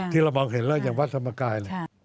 ที่เรามองเห็นแล้วอย่างวัดธรรมกาย